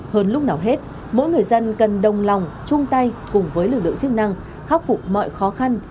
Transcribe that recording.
hơn lúc nào hết mỗi người dân cần đồng lòng chung tay cùng với lực lượng chức năng khắc phục mọi khó khăn